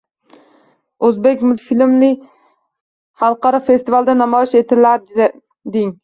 O‘zbek multfilmi xalqaro festivalda namoyish etilading